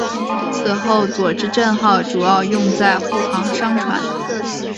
此后佐治镇号主要用作护航商船。